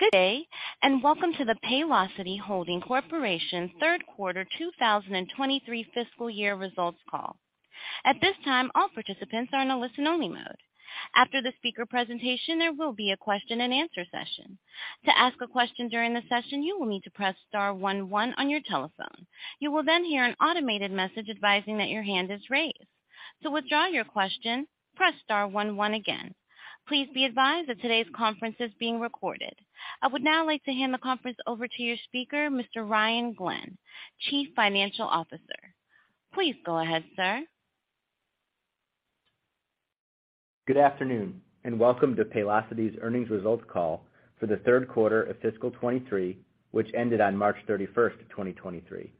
Good day, and welcome to the Paylocity Holding Corporation 3rd quarter 2023 fiscal year results call. At this time, all participants are in a listen-only mode. After the speaker presentation, there will be a question-and-answer session. To ask a question during the session, you will need to press star 11 on your telephone. You will then hear an automated message advising that your hand is raised. To withdraw your question, press star 11 again. Please be advised that today's conference is being recorded. I would now like to hand the conference over to your speaker, Mr. Ryan Glenn, Chief Financial Officer. Please go ahead, sir. Good afternoon, and welcome to Paylocity's earnings results call for the third quarter of fiscal 23, which ended on March 31st, 2023.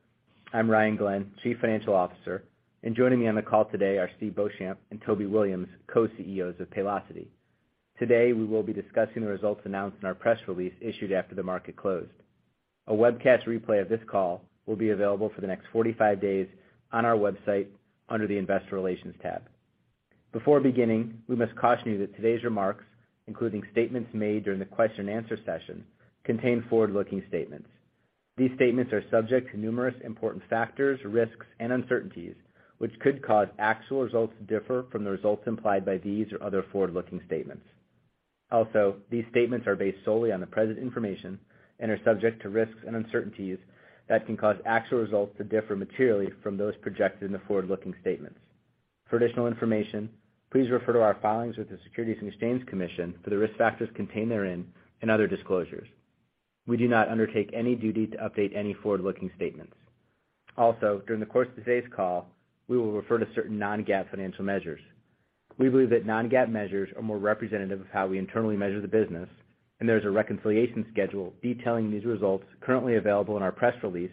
I'm Ryan Glenn, Chief Financial Officer, and joining me on the call today are Steve Beauchamp and Toby Williams, Co-CEOs of Paylocity. Today, we will be discussing the results announced in our press release issued after the market closed. A webcast replay of this call will be available for the next 45 days on our website under the Investor Relations tab. Before beginning, we must caution you that today's remarks, including statements made during the question-and-answer session, contain forward-looking statements. These statements are subject to numerous important factors, risks, and uncertainties, which could cause actual results to differ from the results implied by these or other forward-looking statements. These statements are based solely on the present information and are subject to risks and uncertainties that can cause actual results to differ materially from those projected in the forward-looking statements. For additional information, please refer to our filings with the Securities and Exchange Commission for the risk factors contained therein and other disclosures. We do not undertake any duty to update any forward-looking statements. During the course of today's call, we will refer to certain non-GAAP financial measures. We believe that non-GAAP measures are more representative of how we internally measure the business, and there's a reconciliation schedule detailing these results currently available in our press release,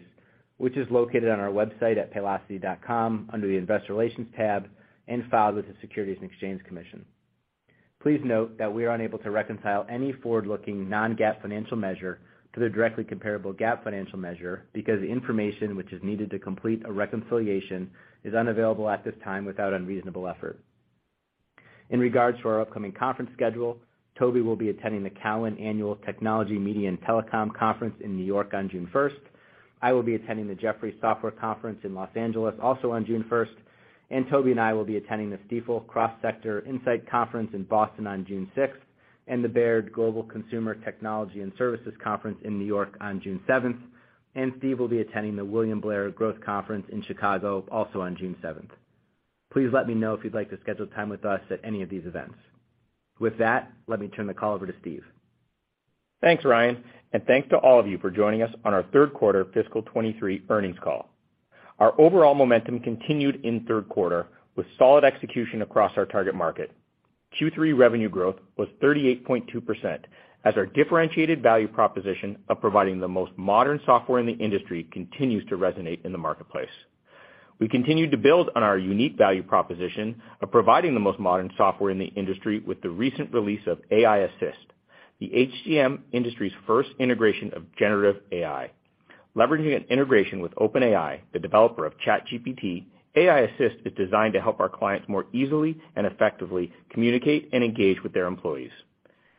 which is located on our website at paylocity.com under the Investor Relations tab and filed with the Securities and Exchange Commission. Please note that we are unable to reconcile any forward-looking non-GAAP financial measure to the directly comparable GAAP financial measure because the information which is needed to complete a reconciliation is unavailable at this time without unreasonable effort. In regards to our upcoming conference schedule, Toby will be attending the Cowen Annual Technology, Media & Telecom Conference in N.Y. on June 1st. I will be attending the Jefferies Software Conference in L.A. also on June 1st. Toby and I will be attending the Stifel Cross Sector Insight Conference in Boston on June 6th, and the Baird Global Consumer, Technology & Services Conference in N.Y. on June 7th. Steve will be attending the William Blair Growth Conference in Chicago also on June 7th. Please let me know if you'd like to schedule time with us at any of these events. With that, let me turn the call over to Steve. Thanks, Ryan. Thanks to all of you for joining us on our third quarter fiscal 2023 earnings call. Our overall momentum continued in third quarter with solid execution across our target market. Q3 revenue growth was 38.2% as our differentiated value proposition of providing the most modern software in the industry continues to resonate in the marketplace. We continued to build on our unique value proposition of providing the most modern software in the industry with the recent release of AI Assist, the HCM industry's first integration of generative AI. Leveraging an integration with OpenAI, the developer of ChatGPT, AI Assist is designed to help our clients more easily and effectively communicate and engage with their employees.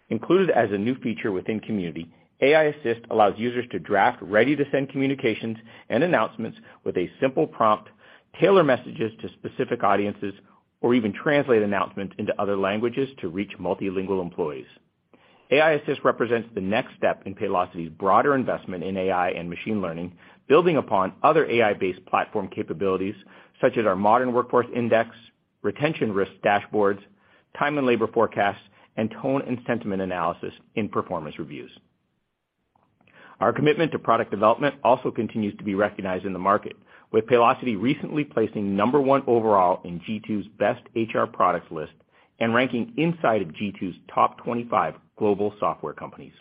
Included as a new feature within Community, AI Assist allows users to draft ready-to-send communications and announcements with a simple prompt, tailor messages to specific audiences, or even translate announcements into other languages to reach multilingual employees. AI Assist represents the next step in Paylocity's broader investment in AI and machine learning, building upon other AI-based platform capabilities such as our Modern Workforce Index, retention risk dashboards, time and labor forecasts, and tone and sentiment analysis in performance reviews. Our commitment to product development also continues to be recognized in the market, with Paylocity recently placing 1 overall in G2's Best HR Products list and ranking inside of G2's top 25 global software companies.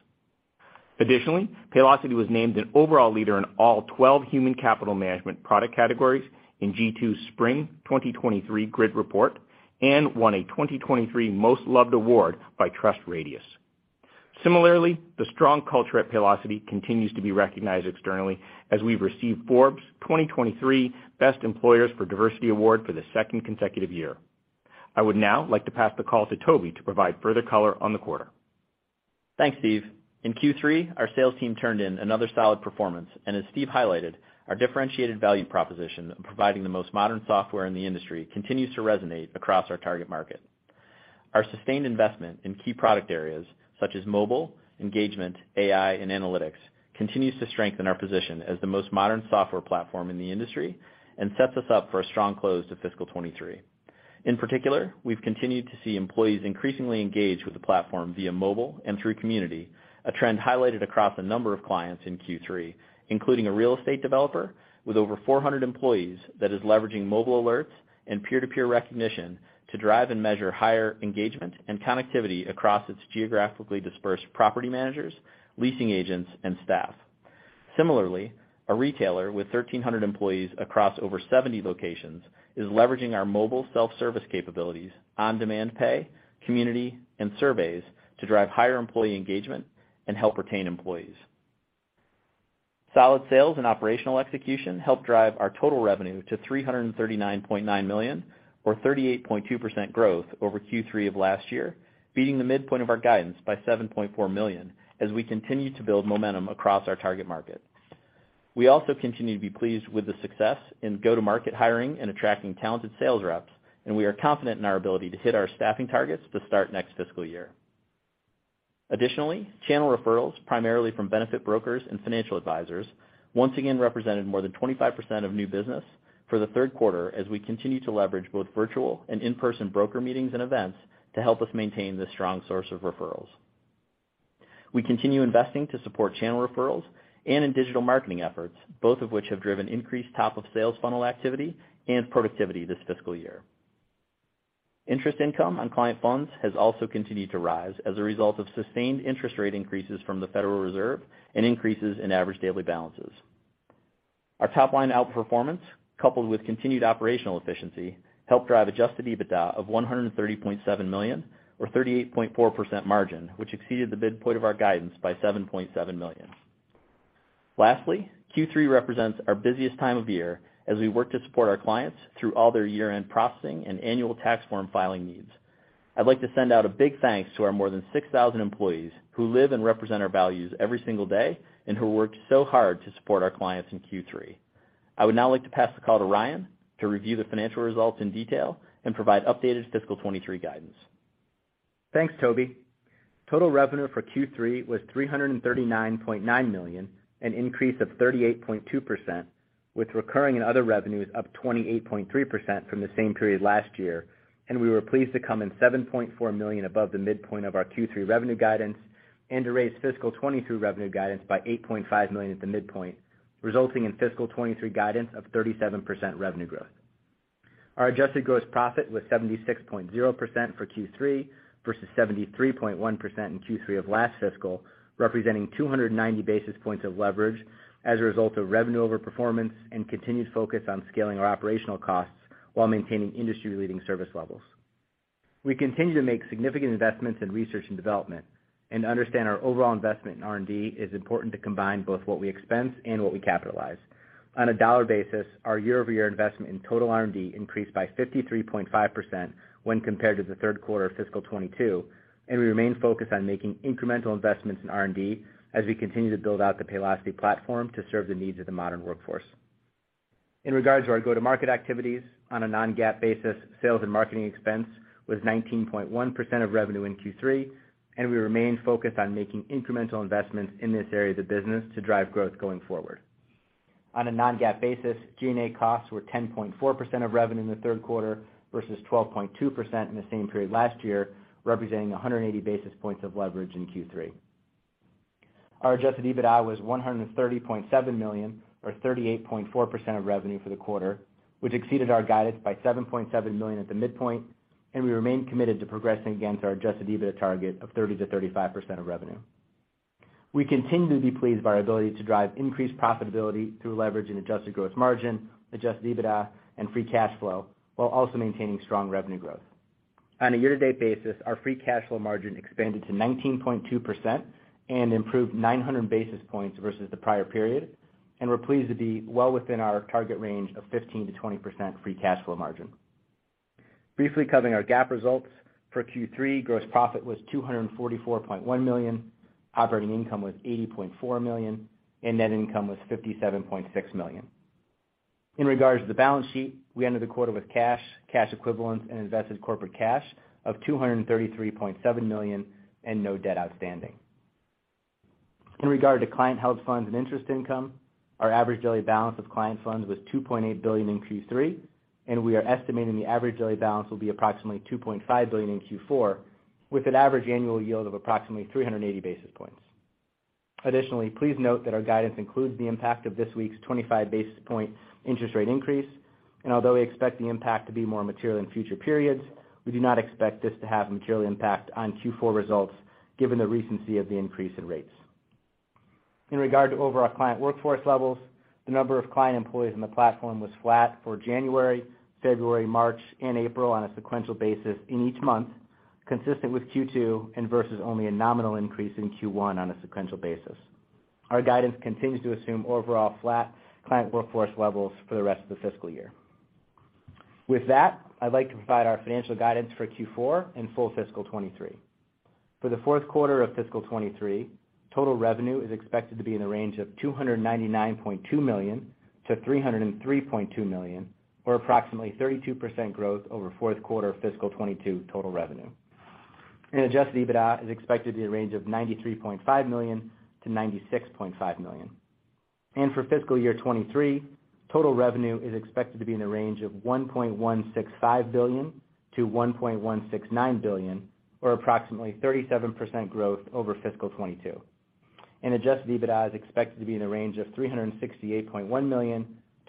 Additionally, Paylocity was named an overall leader in all 12 human capital management product categories in G2's Spring 2023 Grid Report and won a 2023 Most Loved award by TrustRadius. Similarly, the strong culture at Paylocity continues to be recognized externally as we've received Forbes' 2023 Best Employers for Diversity award for the second consecutive year. I would now like to pass the call to Toby to provide further color on the quarter. Thanks, Steve. In Q3, our sales team turned in another solid performance. As Steve highlighted, our differentiated value proposition of providing the most modern software in the industry continues to resonate across our target market. Our sustained investment in key product areas such as mobile, engagement, AI, and analytics continues to strengthen our position as the most modern software platform in the industry and sets us up for a strong close to fiscal 23. In particular, we've continued to see employees increasingly engage with the platform via mobile and through Community, a trend highlighted across a number of clients in Q3, including a real estate developer with over 400 employees that is leveraging mobile alerts and peer-to-peer recognition to drive and measure higher engagement and connectivity across its geographically dispersed property managers, leasing agents, and staff. Similarly, a retailer with 1,300 employees across over 70 locations is leveraging our mobile self-service capabilities, on-demand pay, Community, and surveys to drive higher employee engagement and help retain employees. Solid sales and operational execution helped drive our total revenue to $339.9 million or 38.2% growth over Q3 of last year, beating the midpoint of our guidance by $7.4 million as we continue to build momentum across our target market. We also continue to be pleased with the success in go-to-market hiring and attracting talented sales reps, and we are confident in our ability to hit our staffing targets to start next fiscal year. Channel referrals, primarily from benefit brokers and financial advisors, once again represented more than 25% of new business for the third quarter as we continue to leverage both virtual and in-person broker meetings and events to help us maintain this strong source of referrals. We continue investing to support channel referrals and in digital marketing efforts, both of which have driven increased top-of-sales funnel activity and productivity this fiscal year. Interest income on client funds has also continued to rise as a result of sustained interest rate increases from the Federal Reserve and increases in average daily balances. Our top-line outperformance, coupled with continued operational efficiency, helped drive adjusted EBITDA of $130.7 million or 38.4% margin, which exceeded the midpoint of our guidance by $7.7 million. Lastly, Q3 represents our busiest time of year as we work to support our clients through all their year-end processing and annual tax form filing needs. I'd like to send out a big thanks to our more than 6,000 employees who live and represent our values every single day and who worked so hard to support our clients in Q3. I would now like to pass the call to Ryan to review the financial results in detail and provide updated fiscal 2023 guidance. Thanks, Toby. Total revenue for Q3 was $339.9 million, an increase of 38.2%, with recurring and other revenues up 28.3% from the same period last year. We were pleased to come in $7.4 million above the midpoint of our Q3 revenue guidance and to raise fiscal '23 revenue guidance by $8.5 million at the midpoint, resulting in fiscal '23 guidance of 37% revenue growth. Our adjusted gross profit was 76.0% for Q3 versus 73.1% in Q3 of last fiscal, representing 290 basis points of leverage as a result of revenue overperformance and continued focus on scaling our operational costs while maintaining industry-leading service levels. We continue to make significant investments in research and development. Understand our overall investment in R&D is important to combine both what we expense and what we capitalize. On a dollar basis, our year-over-year investment in total R&D increased by 53.5% when compared to the third quarter of fiscal 2022. We remain focused on making incremental investments in R&D as we continue to build out the Paylocity platform to serve the needs of the modern workforce. In regards to our go-to-market activities, on a non-GAAP basis, sales and marketing expense was 19.1% of revenue in Q3. We remain focused on making incremental investments in this area of the business to drive growth going forward. On a non-GAAP basis, G&A costs were 10.4% of revenue in the third quarter versus 12.2% in the same period last year, representing 180 basis points of leverage in Q3. Our adjusted EBITDA was $130.7 million or 38.4% of revenue for the quarter, which exceeded our guidance by $7.7 million at the midpoint. We remain committed to progressing against our adjusted EBITDA target of 30%-35% of revenue. We continue to be pleased by our ability to drive increased profitability through leverage in adjusted gross margin, adjusted EBITDA, and free cash flow while also maintaining strong revenue growth. On a year-to-date basis, our free cash flow margin expanded to 19.2% and improved 900 basis points versus the prior period. We're pleased to be well within our target range of 15%-20% free cash flow margin. Briefly covering our GAAP results, for Q3, gross profit was $244.1 million, operating income was $80.4 million, and net income was $57.6 million. In regards to the balance sheet, we ended the quarter with cash equivalents, and invested corporate cash of $233.7 million and no debt outstanding. In regard to client held funds and interest income, our average daily balance of client funds was $2.8 billion in Q3, and we are estimating the average daily balance will be approximately $2.5 billion in Q4, with an average annual yield of approximately 380 basis points. Additionally, please note that our guidance includes the impact of this week's 25 basis point interest rate increase, and although we expect the impact to be more material in future periods, we do not expect this to have a material impact on Q4 results given the recency of the increase in rates. In regard to overall client workforce levels, the number of client employees in the platform was flat for January, February, March, and April on a sequential basis in each month, consistent with Q2 and versus only a nominal increase in Q1 on a sequential basis. Our guidance continues to assume overall flat client workforce levels for the rest of the fiscal year. With that, I'd like to provide our financial guidance for Q4 and full fiscal 2023. For the fourth quarter of fiscal 2023, total revenue is expected to be in the range of $299.2 million-$303.2 million, or approximately 32% growth over fourth quarter fiscal 2022 total revenue. Adjusted EBITDA is expected to be in the range of $93.5 million-$96.5 million. For fiscal year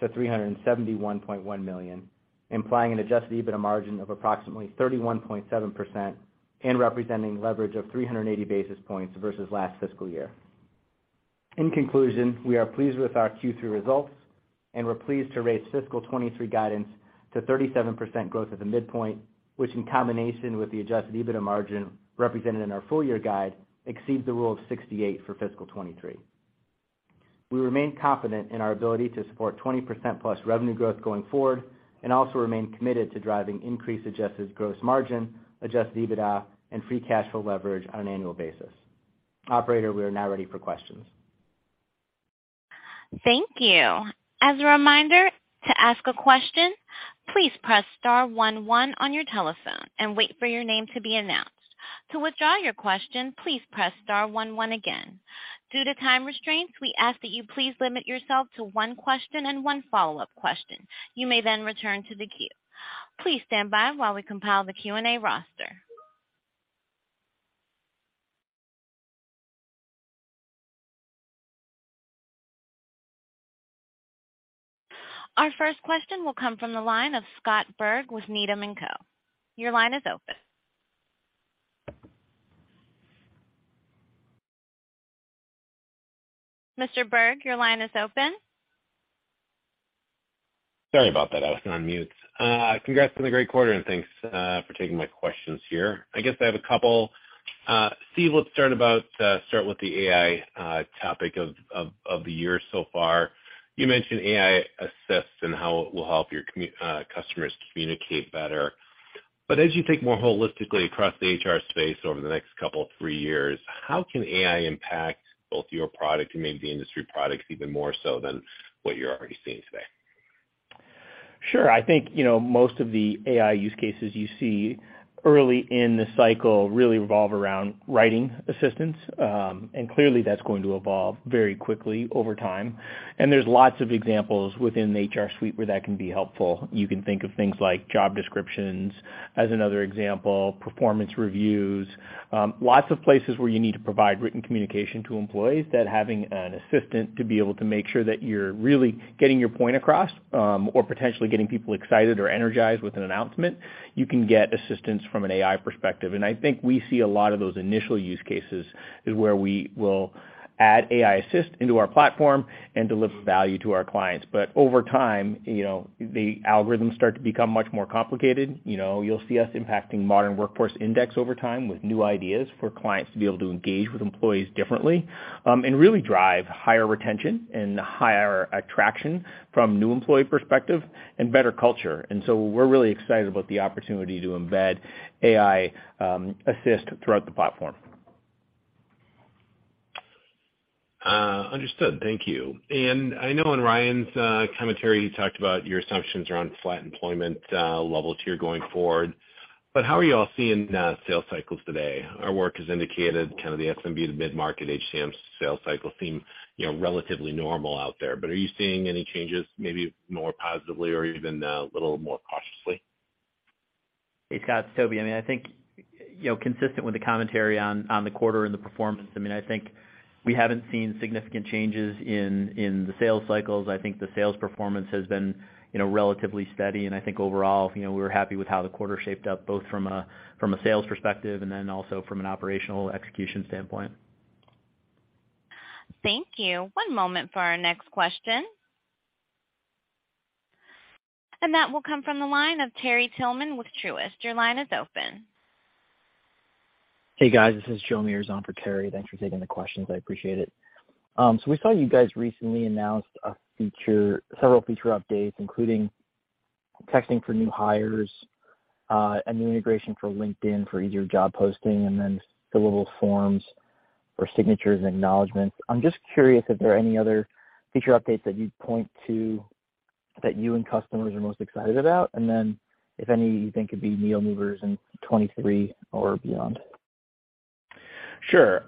2023, total revenue is expected to be in the range of $1.165 billion-$1.169 billion, or approximately 37% growth over fiscal 2022. Adjusted EBITDA is expected to be in the range of $368.1 million-$371.1 million, implying an adjusted EBITDA margin of approximately 31.7% and representing leverage of 380 basis points versus last fiscal year. In conclusion, we are pleased with our Q3 results. We're pleased to raise fiscal 2023 guidance to 37% growth at the midpoint, which in combination with the adjusted EBITDA margin represented in our full year guide, exceeds the Rule of 68 for fiscal 2023. We remain confident in our ability to support 20% plus revenue growth going forward, and also remain committed to driving increased adjusted gross margin, adjusted EBITDA and free cash flow leverage on an annual basis. Operator, we are now ready for questions. Thank you. As a reminder, to ask a question, please press star one one on your telephone and wait for your name to be announced. To withdraw your question, please press star one one again. Due to time restraints, we ask that you please limit yourself to one question and one follow-up question. You may then return to the queue. Please stand by while we compile the Q&A roster. Our first question will come from the line of Scott Berg with Needham & Company. Your line is open. Mr. Berg, your line is open. Sorry about that. I was on mute. Congrats on the great quarter, and thanks for taking my questions here. I guess I have a couple. Steve, let's start about, start with the AI topic of the year so far. You mentioned AI Assist and how it will help your customers communicate better. As you think more holistically across the HR space over the next couple or 3 years, how can AI impact both your product and maybe industry products even more so than what you're already seeing today? Sure. I think, you know, most of the AI use cases you see early in the cycle really revolve around writing assistance. Clearly, that's going to evolve very quickly over time. There's lots of examples within the HR suite where that can be helpful. You can think of things like job descriptions as another example, performance reviews, lots of places where you need to provide written communication to employees that having an assistant to be able to make sure that you're really getting your point across, or potentially getting people excited or energized with an announcement. You can get assistance from an AI perspective, and I think we see a lot of those initial use cases is where we will add AI Assist into our platform and deliver value to our clients. Over time, you know, the algorithms start to become much more complicated. You know, you'll see us impacting Modern Workforce Index over time with new ideas for clients to be able to engage with employees differently, and really drive higher retention and higher attraction from new employee perspective and better culture. We're really excited about the opportunity to embed AI Assist throughout the platform. Understood. Thank you. I know in Ryan's commentary, you talked about your assumptions around flat employment level tier going forward, but how are y'all seeing sales cycles today? Our work has indicated kind of the SMB to mid-market HCM sales cycles seem, you know, relatively normal out there. Are you seeing any changes maybe more positively or even a little more cautiously? Hey, Scott, Toby. I mean, I think, you know, consistent with the commentary on the quarter and the performance, I mean, I think we haven't seen significant changes in the sales cycles. I think the sales performance has been, you know, relatively steady. I think overall, you know, we're happy with how the quarter shaped up, both from a, from a sales perspective and then also from an operational execution standpoint. Thank you. One moment for our next question. That will come from the line of Terry Tillman with Truist. Your line is open. Hey, guys, this is Joe Meares for Terry. Thanks for taking the questions, I appreciate it. We saw you guys recently announced several feature updates, including texting for new hires, a new integration for LinkedIn for easier job posting, and then fillable forms for signatures and acknowledgments. I'm just curious if there are any other feature updates that you'd point to that you and customers are most excited about, and then if any you think could be needle movers in 2023 or beyond. Sure.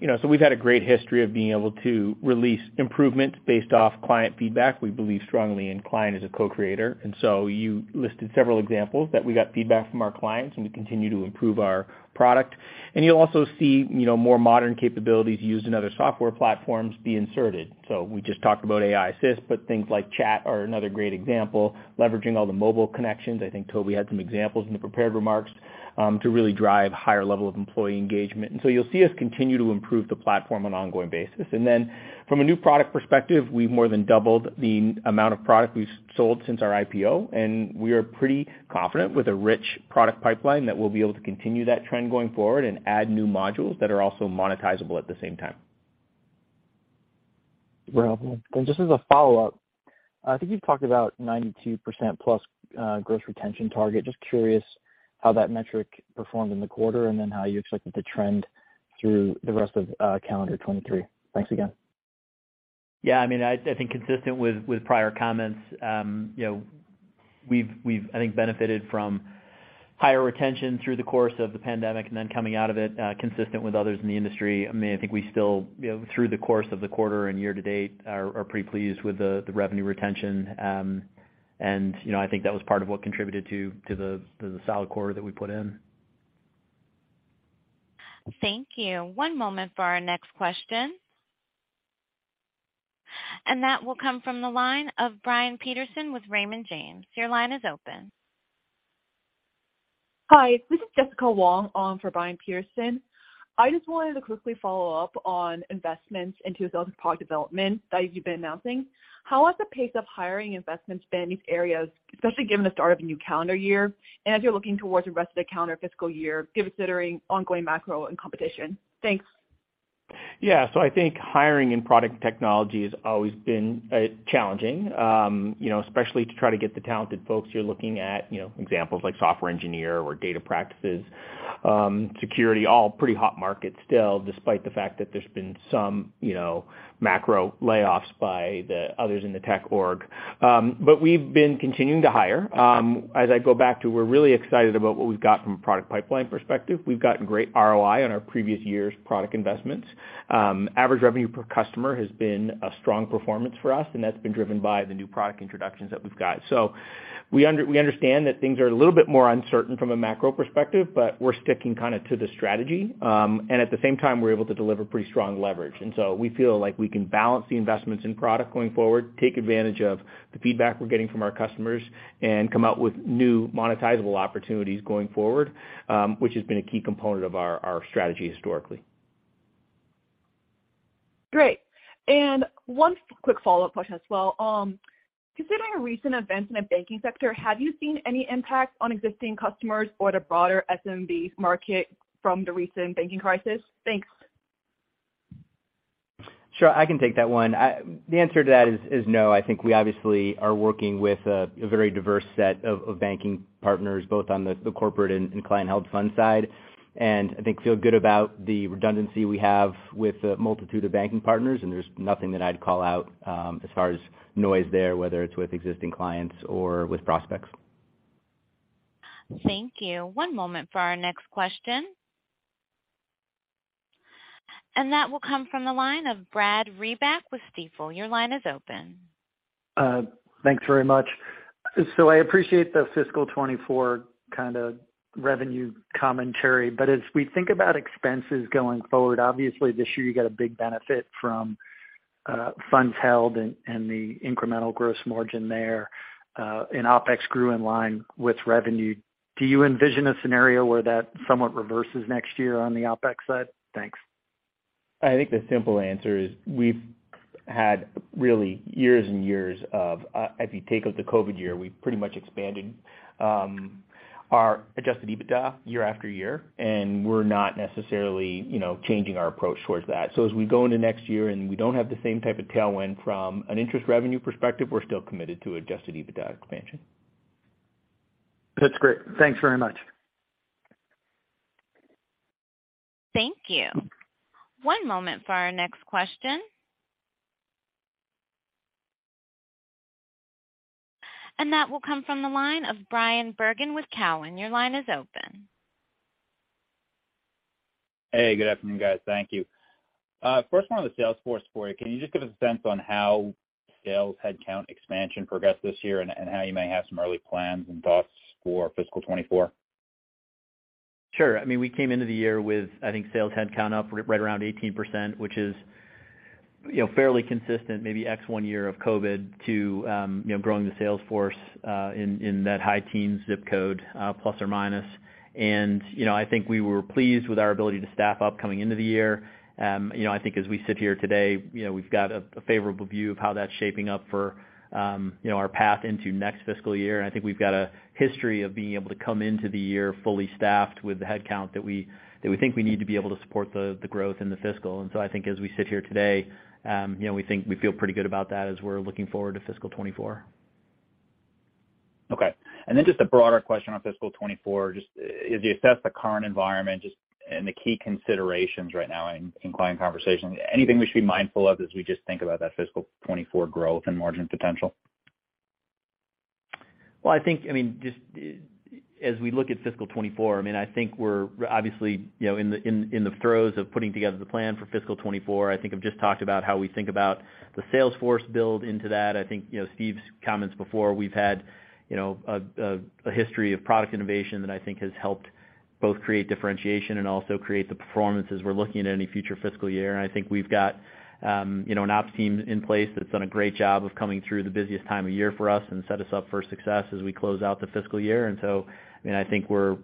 You know, we've had a great history of being able to release improvements based off client feedback. We believe strongly in client as a co-creator. You listed several examples that we got feedback from our clients, and we continue to improve our product. You'll also see, you know, more modern capabilities used in other software platforms be inserted. We just talked about AI Assist, but things like chat are another great example. Leveraging all the mobile connections. I think Toby had some examples in the prepared remarks to really drive higher level of employee engagement. You'll see us continue to improve the platform on an ongoing basis. From a new product perspective, we've more than doubled the amount of product we've sold since our IPO, and we are pretty confident with a rich product pipeline that we'll be able to continue that trend going forward and add new modules that are also monetizable at the same time. Just as a follow-up, I think you've talked about 92% plus gross retention target. Just curious how that metric performed in the quarter, and then how you expect it to trend through the rest of calendar 2023. Thanks again. Yeah, I mean, I think consistent with prior comments, you know, we've I think benefited from higher retention through the course of the pandemic and then coming out of it, consistent with others in the industry. I mean, I think we still, you know, through the course of the quarter and year to date are pretty pleased with the revenue retention. You know, I think that was part of what contributed to the solid quarter that we put in. Thank you. One moment for our next question. That will come from the line of Brian Peterson with Raymond James. Your line is open. Hi, this is Jialin Jin on for Brian Peterson. I just wanted to quickly follow up on investments into 2,000 product development that you've been announcing. How has the pace of hiring investments been in these areas, especially given the start of a new calendar year, and as you're looking towards the rest of the calendar fiscal year, considering ongoing macro and competition? Thanks. I think hiring in product technology has always been challenging, you know, especially to try to get the talented folks you're looking at, you know, examples like software engineer or data practices, security, all pretty hot markets still, despite the fact that there's been some, you know, macro layoffs by the others in the tech org. We've been continuing to hire. As I go back to we're really excited about what we've got from a product pipeline perspective. We've gotten great ROI on our previous year's product investments. Average revenue per customer has been a strong performance for us, and that's been driven by the new product introductions that we've got. We understand that things are a little bit more uncertain from a macro perspective, but we're sticking kinda to the strategy. At the same time, we're able to deliver pretty strong leverage. We feel like we can balance the investments in product going forward, take advantage of the feedback we're getting from our customers, and come out with new monetizable opportunities going forward, which has been a key component of our strategy historically. Great. One quick follow-up question as well. Considering recent events in the banking sector, have you seen any impact on existing customers or the broader SMB market from the recent banking crisis? Thanks. Sure. I can take that one. The answer to that is no. I think we obviously are working with a very diverse set of banking partners, both on the corporate and client-held fund side. I think feel good about the redundancy we have with a multitude of banking partners, and there's nothing that I'd call out as far as noise there, whether it's with existing clients or with prospects. Thank you. One moment for our next question. That will come from the line of Brad Reback with Stifel. Your line is open. Thanks very much. I appreciate the fiscal 2024 kinda revenue commentary. As we think about expenses going forward, obviously, this year you got a big benefit from funds held and the incremental gross margin there, and OpEx grew in line with revenue. Do you envision a scenario where that somewhat reverses next year on the OpEx side? Thanks. I think the simple answer is we've had really years and years of, if you take out the COVID year, we've pretty much expanded, our adjusted EBITDA year after year, and we're not necessarily, you know, changing our approach towards that. As we go into next year and we don't have the same type of tailwind from an interest revenue perspective, we're still committed to adjusted EBITDA expansion. That's great. Thanks very much. Thank you. One moment for our next question. That will come from the line of Bryan Bergin with Cowen. Your line is open. Hey, good afternoon, guys. Thank you. First one on the sales force for you. Can you just give a sense on how sales headcount expansion progressed this year and how you may have some early plans and thoughts for fiscal 2024? Sure. I mean, we came into the year with, I think, sales headcount up right around 18%, which is, you know, fairly consistent, maybe ex 1 year of COVID to, you know, growing the sales force in that high teens ZIP Code plus or minus. You know, I think we were pleased with our ability to staff up coming into the year. You know, I think as we sit here today, you know, we've got a favorable view of how that's shaping up for, you know, our path into next fiscal year. I think we've got a history of being able to come into the year fully staffed with the headcount that we think we need to be able to support the growth in the fiscal. I think as we sit here today, you know, we think we feel pretty good about that as we're looking forward to fiscal 2024. Okay. Then just a broader question on fiscal 2024. Just as you assess the current environment just and the key considerations right now in client conversations, anything we should be mindful of as we just think about that fiscal 2024 growth and margin potential? Well, I think, I mean, just as we look at fiscal 2024, I mean, I think we're obviously, you know, in the throes of putting together the plan for fiscal 2024. I think I've just talked about how we think about the sales force build into that. I think, you know, Steve's comments before, we've had, you know, a history of product innovation that I think has helped both create differentiation and also create the performance as we're looking at any future fiscal year. I think we've got, you know, an ops team in place that's done a great job of coming through the busiest time of year for us and set us up for success as we close out the fiscal year. I mean, I think we're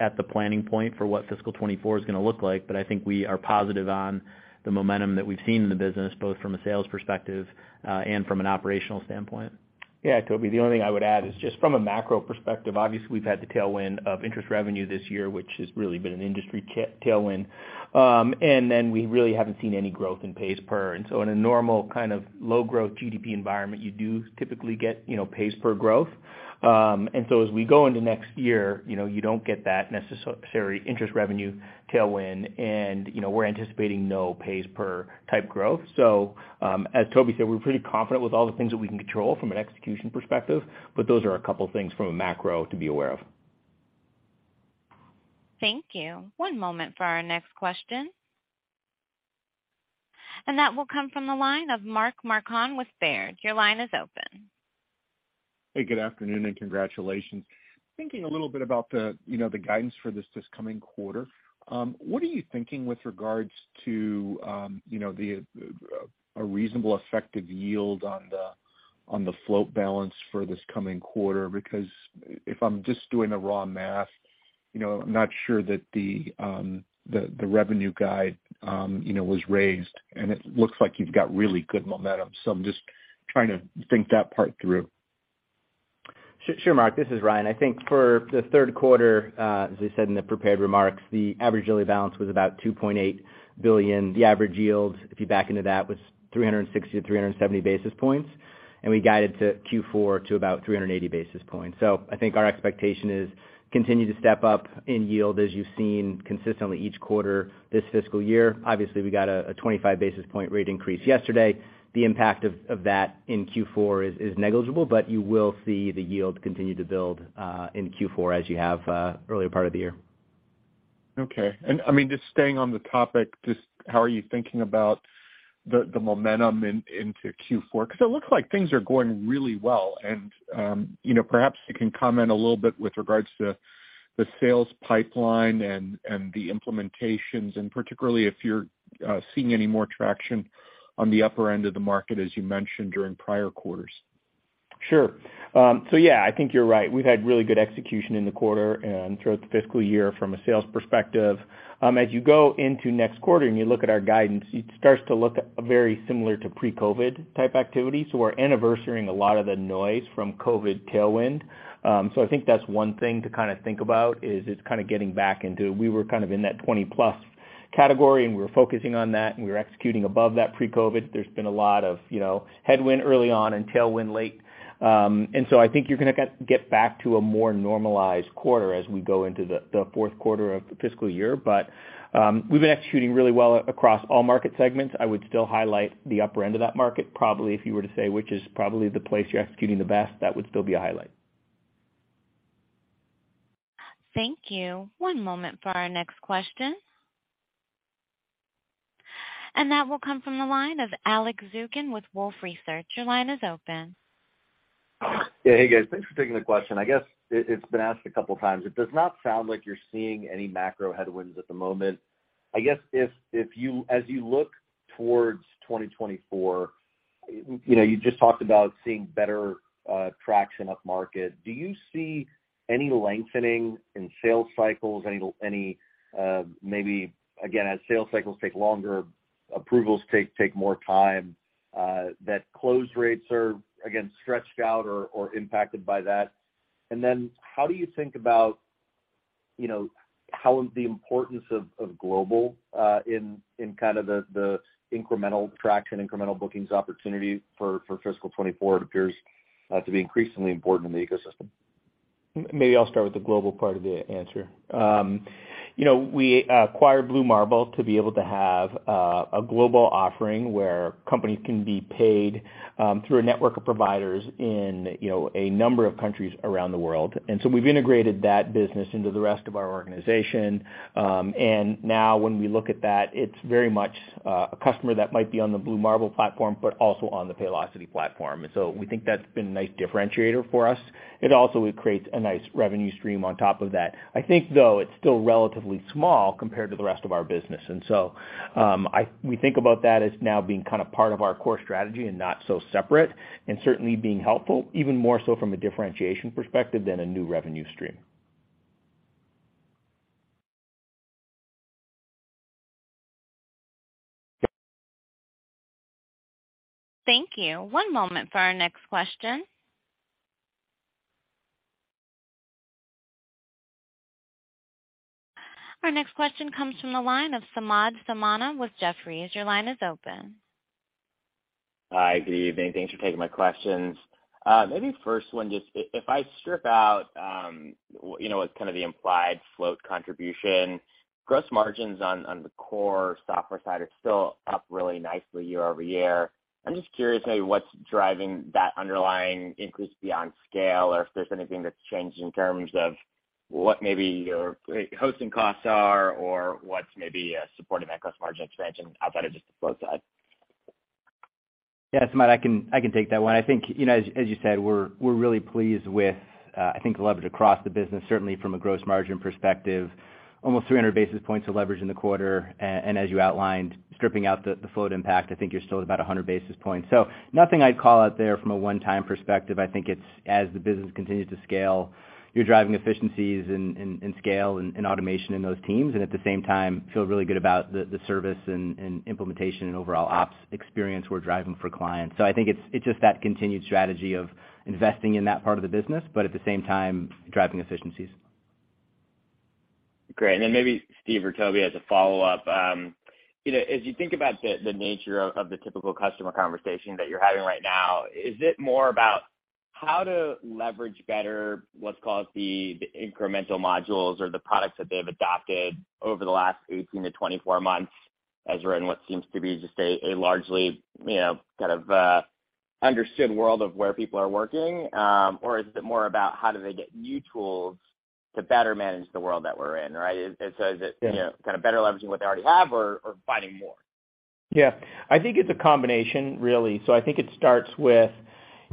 at the planning point for what fiscal 2024 is gonna look like. I think we are positive on the momentum that we've seen in the business, both from a sales perspective, and from an operational standpoint. Yeah, Toby, the only thing I would add is just from a macro perspective, obviously, we've had the tailwind of interest revenue this year, which has really been an industry Tailwind. We really haven't seen any growth in PEPM. In a normal kind of low growth GDP environment, you do typically get, you know, PEPM growth. As we go into next year, you know, you don't get that necessary interest revenue tailwind and, you know, we're anticipating no PEPM type growth. As Toby said, we're pretty confident with all the things that we can control from an execution perspective, but those are a couple things from a macro to be aware of. Thank you. One moment for our next question. That will come from the line of Mark Marcon with Baird. Your line is open. Hey, good afternoon and congratulations. Thinking a little bit about the, you know, the guidance for this coming quarter, what are you thinking with regards to, you know, the a reasonable effective yield on the float balance for this coming quarter? Because if I'm just doing the raw math, you know, I'm not sure that the revenue guide, you know, was raised, and it looks like you've got really good momentum. I'm just trying to think that part through. Sure, Mark, this is Ryan. I think for the third quarter, as I said in the prepared remarks, the average daily balance was about $2.8 billion. The average yield, if you back into that, was 360 to 370 basis points, and we guided to Q4 to about 380 basis points. I think our expectation is continue to step up in yield as you've seen consistently each quarter this fiscal year. Obviously, we got a 25 basis point rate increase yesterday. The impact of that in Q4 is negligible, but you will see the yield continue to build in Q4 as you have earlier part of the year. Okay. I mean, just staying on the topic, just how are you thinking about the momentum into Q4? 'Cause it looks like things are going really well. You know, perhaps you can comment a little bit with regards to the sales pipeline and the implementations, and particularly if you're seeing any more traction on the upper end of the market, as you mentioned during prior quarters. Sure. Yeah, I think you're right. We've had really good execution in the quarter and throughout the fiscal year from a sales perspective. As you go into next quarter and you look at our guidance, it starts to look very similar to pre-COVID type activity, so we're anniversarying a lot of the noise from COVID tailwind. I think that's one thing to kind of think about, is it's kind of getting back into... We were kind of in that 20-plus category, and we were focusing on that, and we were executing above that pre-COVID. There's been a lot of, you know, headwind early on and tailwind late. I think you're gonna get back to a more normalized quarter as we go into the fourth quarter of the fiscal year. We've been executing really well across all market segments. I would still highlight the upper end of that market. Probably if you were to say which is probably the place you're executing the best, that would still be a highlight. Thank you. One moment for our next question. That will come from the line of Alex Zukin with Wolfe Research. Your line is open. Yeah. Hey, guys. Thanks for taking the question. I guess it's been asked a couple times. It does not sound like you're seeing any macro headwinds at the moment. I guess if, as you look towards 2024, you know, you just talked about seeing better traction up market. Do you see any lengthening in sales cycles? Any, maybe, again, as sales cycles take longer, approvals take more time, that close rates are again stretched out or impacted by that? How do you think about, you know, how the importance of global in kind of the incremental traction, incremental bookings opportunity for fiscal 2024? It appears to be increasingly important in the ecosystem. Maybe I'll start with the global part of the answer. You know, we acquired Blue Marble to be able to have a global offering, where companies can be paid through a network of providers in, you know, a number of countries around the world. We've integrated that business into the rest of our organization. Now when we look at that, it's very much a customer that might be on the Blue Marble platform but also on the Paylocity platform. We think that's been a nice differentiator for us. It also creates a nice revenue stream on top of that. I think, though, it's still relatively small compared to the rest of our business. We think about that as now being kind of part of our core strategy and not so separate, and certainly being helpful, even more so from a differentiation perspective than a new revenue stream. Thank you. One moment for our next question. Our next question comes from the line of Samad Samana with Jefferies. Your line is open. Hi, good evening. Thanks for taking my questions. Maybe first one just if I strip out, you know, what's kind of the implied float contribution, gross margins on the core software side are still up really nicely year-over-year. I'm just curious maybe what's driving that underlying increase beyond scale or if there's anything that's changed in terms of what maybe your hosting costs are or what's maybe supporting that gross margin expansion outside of just the float side. Yeah. Samad, I can take that one. I think, you know, as you said, we're really pleased with, I think the leverage across the business, certainly from a gross margin perspective. Almost 300 basis points of leverage in the quarter. As you outlined, stripping out the float impact, I think you're still at about 100 basis points. Nothing I'd call out there from a one-time perspective. I think it's as the business continues to scale, you're driving efficiencies and scale and automation in those teams. At the same time, feel really good about the service and implementation and overall ops experience we're driving for clients. I think it's just that continued strategy of investing in that part of the business but at the same time, driving efficiencies. Great. Maybe Steve or Toby as a follow-up. you know, as you think about the nature of the typical customer conversation that you're having right now, is it more about how to leverage better what's called the incremental modules or the products that they've adopted over the last 18-24 months as we're in what seems to be just a largely, you know, kind of understood world of where people are working? Or is it more about how do they get new tools to better manage the world that we're in, right? is it? Yeah. you know, kind of better leveraging what they already have or finding more? Yeah, I think it's a combination really. I think it starts with,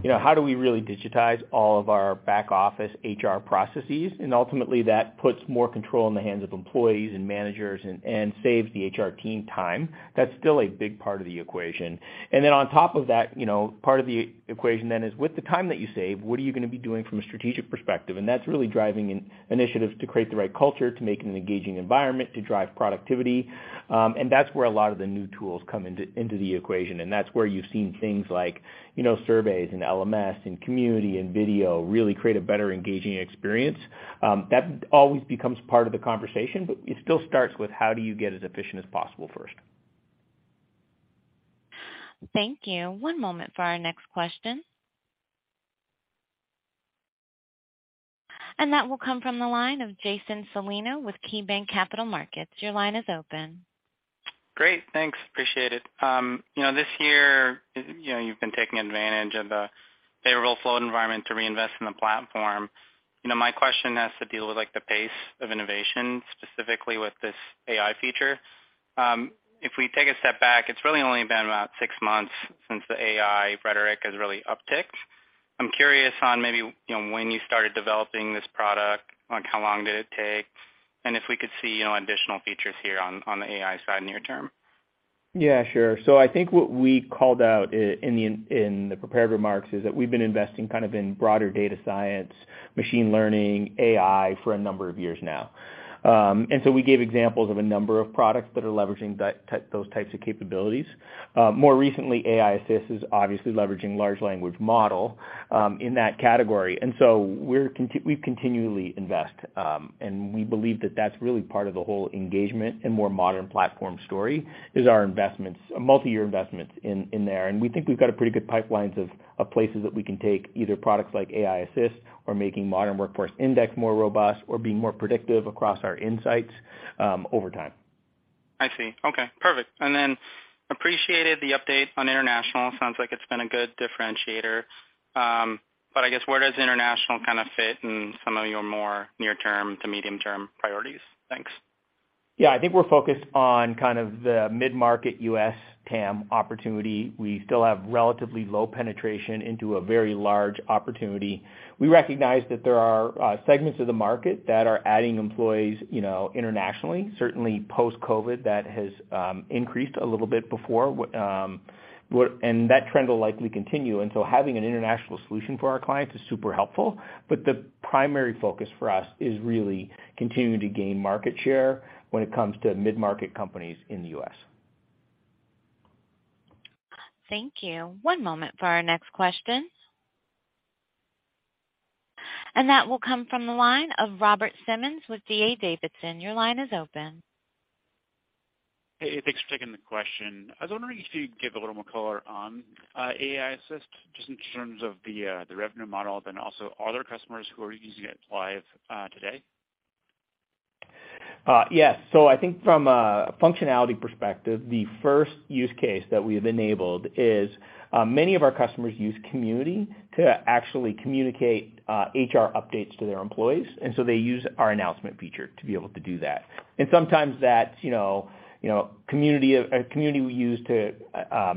you know, how do we really digitize all of our back-office HR processes? Ultimately that puts more control in the hands of employees and managers and saves the HR team time. That's still a big part of the equation. On top of that, you know, part of the equation then is with the time that you save, what are you gonna be doing from a strategic perspective? That's really driving in initiatives to create the right culture, to make an engaging environment, to drive productivity. That's where a lot of the new tools come into the equation. That's where you've seen things like, you know, surveys and LMS and Community and video really create a better engaging experience. That always becomes part of the conversation, but it still starts with how do you get as efficient as possible first. Thank you. One moment for our next question. That will come from the line of Jason Celino with KeyBanc Capital Markets. Your line is open. Great, thanks. Appreciate it. You know, this year, you know, you've been taking advantage of the favorable flow environment to reinvest in the platform. You know, my question has to deal with like the pace of innovation, specifically with this AI feature. If we take a step back, it's really only been about six months since the AI rhetoric has really upticked. I'm curious on maybe, you know, when you started developing this product, like how long did it take? And if we could see, you know, additional features here on the AI side near term. Yeah, sure. I think what we called out in the, in the prepared remarks is that we've been investing kind of in broader data science, machine learning, AI for a number of years now. We gave examples of a number of products that are leveraging those types of capabilities. More recently, AI Assist is obviously leveraging large language model in that category. We continually invest, and we believe that that's really part of the whole engagement and more modern platform story is our investments, multi-year investments in there. We think we've got a pretty good pipelines of places that we can take either products like AI Assist or making Modern Workforce Index more robust or being more predictive across our insights over time. I see. Okay, perfect. appreciated the update on international. Sounds like it's been a good differentiator. I guess where does international kind of fit in some of your more near term to medium term priorities? Thanks. Yeah. I think we're focused on kind of the mid-market US TAM opportunity. We still have relatively low penetration into a very large opportunity. We recognize that there are segments of the market that are adding employees, you know, internationally. Certainly post-COVID, that has increased a little bit before. That trend will likely continue, and so having an international solution for our clients is super helpful. The primary focus for us is really continuing to gain market share when it comes to mid-market companies in the US. Thank you. One moment for our next question. That will come from the line of Robert Simmons with D.A. Davidson. Your line is open. Hey, thanks for taking the question. I was wondering if you could give a little more color on AI Assist, just in terms of the revenue model, then also are there customers who are using it live today? Yes. I think from a functionality perspective, the first use case that we have enabled is, many of our customers use Community to actually communicate HR updates to their employees. They use our announcement feature to be able to do that. Sometimes that's, you know, Community we use to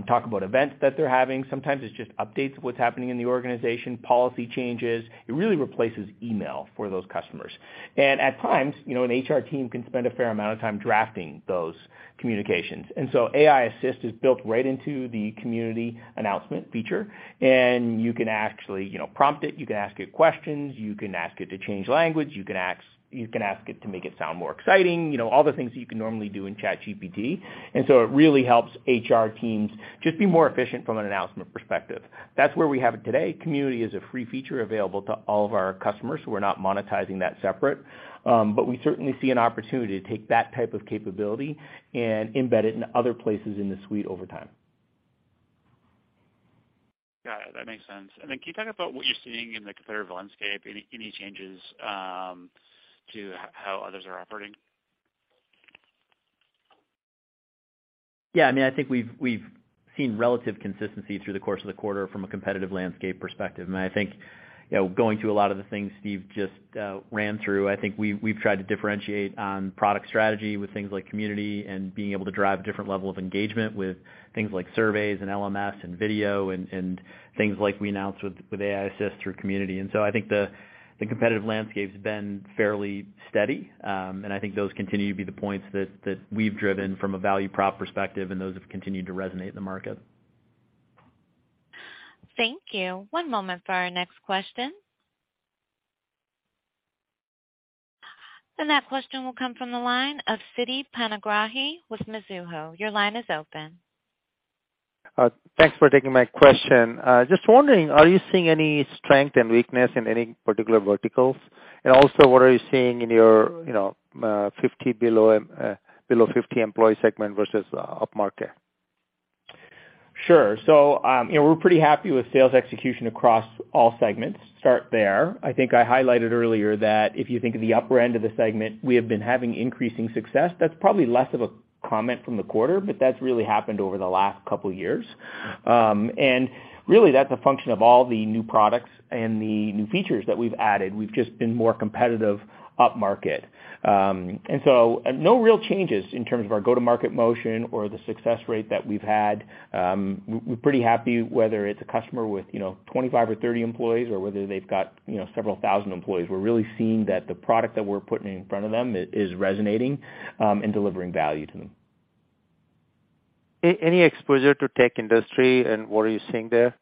talk about events that they're having. Sometimes it's just updates of what's happening in the organization, policy changes. It really replaces email for those customers. At times, you know, an HR team can spend a fair amount of time drafting those communications. AI Assist is built right into the Community announcement feature, and you can actually, you know, prompt it. You can ask it questions. You can ask it to change language. You can ask, you can ask it to make it sound more exciting, you know, all the things that you can normally do in ChatGPT. It really helps HR teams just be more efficient from an announcement perspective. That's where we have it today. Community is a free feature available to all of our customers. We're not monetizing that separate. We certainly see an opportunity to take that type of capability and embed it in other places in the suite over time. Got it. That makes sense. Can you talk about what you're seeing in the competitive landscape? Any changes to how others are operating? Yeah. I mean, I think we've seen relative consistency through the course of the quarter from a competitive landscape perspective. I think, you know, going through a lot of the things Steve just ran through, I think we've tried to differentiate on product strategy with things like Community and being able to drive a different level of engagement with things like surveys and LMS and video and things like we announced with AI Assist through Community. I think the competitive landscape's been fairly steady. I think those continue to be the points that we've driven from a value prop perspective, and those have continued to resonate in the market. Thank you. One moment for our next question. That question will come from the line of Siti Panigrahi with Mizuho. Your line is open. Thanks for taking my question. Just wondering, are you seeing any strength and weakness in any particular verticals? Also, what are you seeing in your, you know, 50 below 50 employee segment versus upmarket? Sure. You know, we're pretty happy with sales execution across all segments. Start there. I think I highlighted earlier that if you think of the upper end of the segment, we have been having increasing success. That's probably less of a Comment from the quarter, but that's really happened over the last couple years. Really that's a function of all the new products and the new features that we've added. We've just been more competitive upmarket. No real changes in terms of our go-to-market motion or the success rate that we've had. We're pretty happy whether it's a customer with, you know, 25 or 30 employees or whether they've got, you know, several thousand employees. We're really seeing that the product that we're putting in front of them is resonating, and delivering value to them. Any exposure to tech industry and what are you seeing there?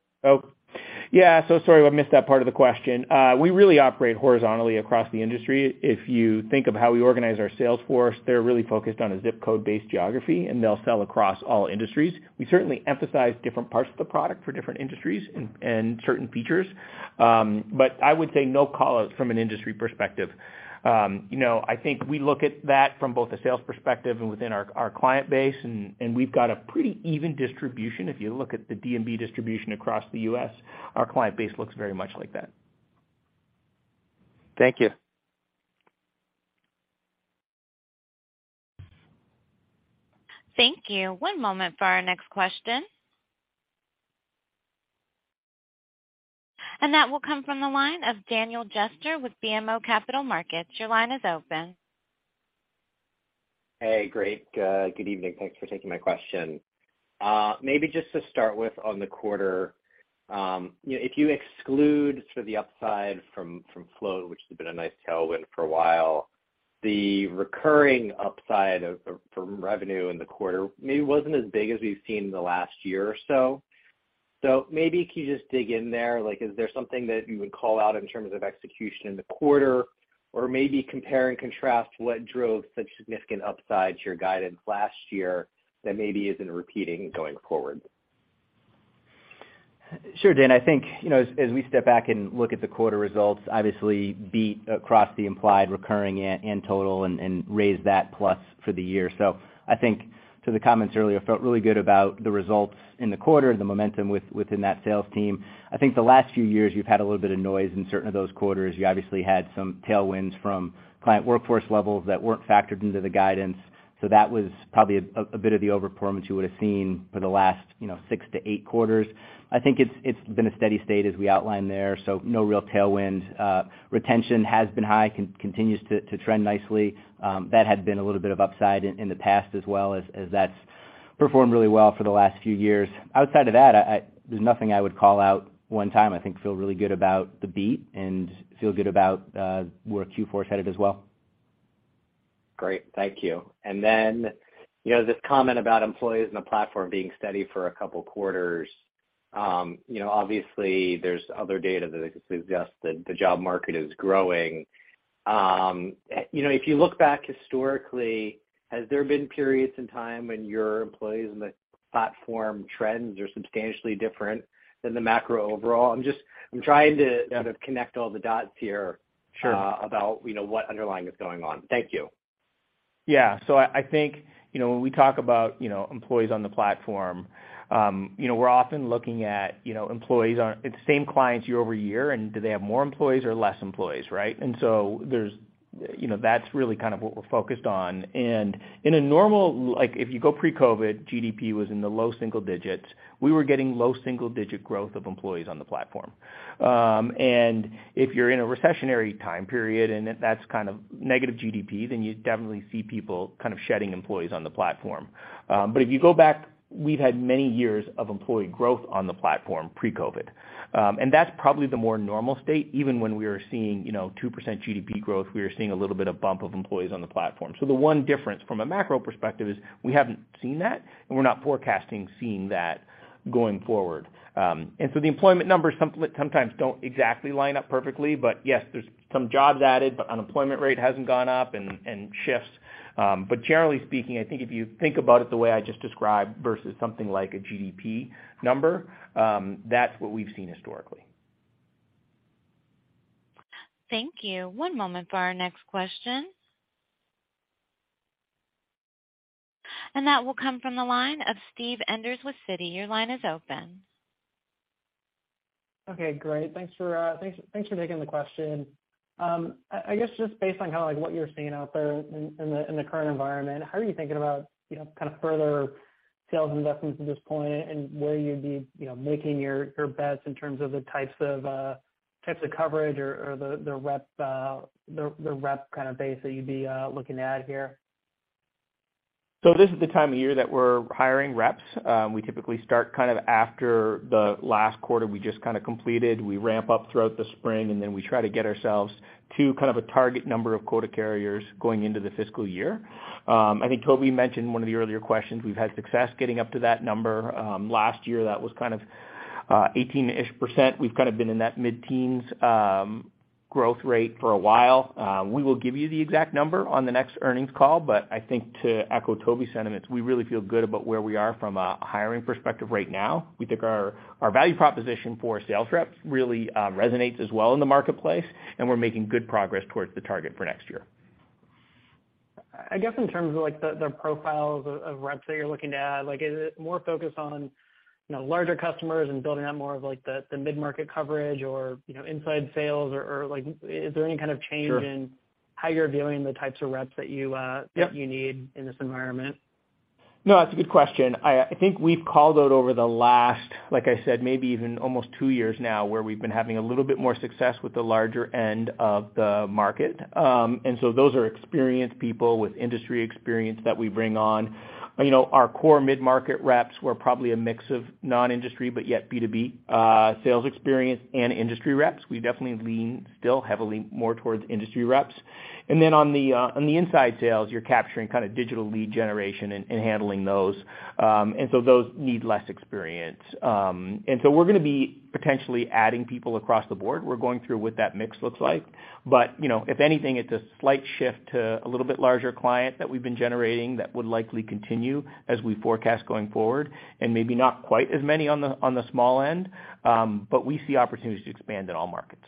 Yeah. Sorry I missed that part of the question. We really operate horizontally across the industry. If you think of how we organize our sales force, they're really focused on a zip code-based geography, and they'll sell across all industries. We certainly emphasize different parts of the product for different industries and certain features. I would say no call-outs from an industry perspective. You know, I think we look at that from both a sales perspective and within our client base, and we've got a pretty even distribution. If you look at the SMB distribution across the U.S., our client base looks very much like that. Thank you. Thank you. One moment for our next question. That will come from the line of Daniel Jester with BMO Capital Markets. Your line is open. Hey, great. good evening. Thanks for taking my question. maybe just to start with on the quarter. you know, if you exclude sort of the upside from flow, which has been a nice tailwind for a while, the recurring upside from revenue in the quarter maybe wasn't as big as we've seen in the last year or so. Maybe can you just dig in there? Like, is there something that you would call out in terms of execution in the quarter? Or maybe compare and contrast what drove such significant upside to your guidance last year that maybe isn't repeating going forward? Sure, Dan. I think, you know, as we step back and look at the quarter results, obviously beat across the implied recurring and total and raised that plus for the year. I think to the comments earlier, felt really good about the results in the quarter, the momentum within that sales team. I think the last few years you've had a little bit of noise in certain of those quarters. You obviously had some tailwinds from client workforce levels that weren't factored into the guidance. That was probably a bit of the overperformance you would've seen for the last, you know, 6 to 8 quarters. I think it's been a steady state as we outlined there, no real tailwind. Retention has been high, continues to trend nicely. That had been a little bit of upside in the past as well as that's performed really well for the last few years. Outside of that, I there's nothing I would call out one time. I think feel really good about the beat and feel good about where Q4 is headed as well. Great. Thank you. Then, you know, this comment about employees and the platform being steady for a couple quarters, you know, obviously there's other data that suggests that the job market is growing. You know, if you look back historically, has there been periods in time when your employees in the platform trends are substantially different than the macro overall? I'm trying to kind of connect all the dots here. Sure. about, you know, what underlying is going on. Thank you. Yeah. I think, you know, when we talk about, you know, employees on the platform, you know, we're often looking at, you know, it's the same clients year-over-year. Do they have more employees or less employees, right? There's, you know, that's really kind of what we're focused on. In a normal, like if you go pre-COVID, GDP was in the low single digits. We were getting low single digit growth of employees on the platform. If you're in a recessionary time period and if that's kind of negative GDP, you definitely see people kind of shedding employees on the platform. If you go back, we've had many years of employee growth on the platform pre-COVID. That's probably the more normal state. Even when we were seeing, you know, 2% GDP growth, we were seeing a little bit of bump of employees on the platform. The one difference from a macro perspective is we haven't seen that, and we're not forecasting seeing that going forward. The employment numbers sometimes don't exactly line up perfectly, but yes, there's some jobs added, but unemployment rate hasn't gone up and shifts. Generally speaking, I think if you think about it the way I just described versus something like a GDP number, that's what we've seen historically. Thank you. One moment for our next question. That will come from the line of Steven Enders with Citi. Your line is open. Okay, great. Thanks for taking the question. I guess just based on kind of like what you're seeing out there in the current environment, how are you thinking about, you know, kind of further sales investments at this point and where you'd be, you know, making your bets in terms of the types of coverage or the rep kind of base that you'd be looking at here? This is the time of year that we're hiring reps. We typically start kind of after the last quarter we just kind of completed. We ramp up throughout the spring, we try to get ourselves to kind of a target number of quota carriers going into the fiscal year. I think Toby mentioned one of the earlier questions. We've had success getting up to that number. Last year that was kind of 18%. We've kind of been in that mid-teens growth rate for a while. We will give you the exact number on the next earnings call, I think to echo Toby's sentiments, we really feel good about where we are from a hiring perspective right now. We think our value proposition for sales reps really resonates as well in the marketplace, and we're making good progress towards the target for next year. I guess in terms of like the profiles of reps that you're looking to add, like is it more focused on, you know, larger customers and building out more of like the mid-market coverage or, you know, inside sales or like is there any kind of change? Sure. how you're viewing the types of reps that you? Yep. that you need in this environment? No, that's a good question. I think we've called out over the last, like I said, maybe even almost 2 years now, where we've been having a little bit more success with the larger end of the market. Those are experienced people with industry experience that we bring on. You know, our core mid-market reps were probably a mix of non-industry, but yet B2B sales experience and industry reps. We definitely lean still heavily more towards industry reps. On the inside sales, you're capturing kind of digital lead generation and handling those. Those need less experience. We're gonna be potentially adding people across the board. We're going through what that mix looks like. You know, if anything, it's a slight shift to a little bit larger client that we've been generating that would likely continue as we forecast going forward, and maybe not quite as many on the small end. We see opportunities to expand in all markets.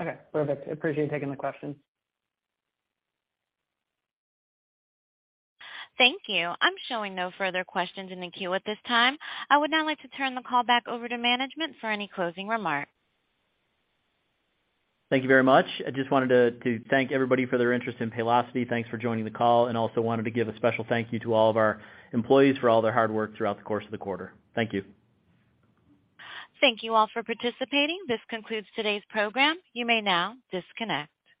Okay, perfect. Appreciate you taking the question. Thank you. I'm showing no further questions in the queue at this time. I would now like to turn the call back over to management for any closing remarks. Thank you very much. I just wanted to thank everybody for their interest in Paylocity. Thanks for joining the call, and also wanted to give a special thank you to all of our employees for all their hard work throughout the course of the quarter. Thank you. Thank you all for participating. This concludes today's program. You may now disconnect.